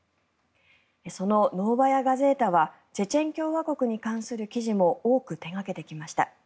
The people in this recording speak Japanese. そのノーバヤ・ガゼータはチェチェン共和国に関する記事も多く手掛けてきました。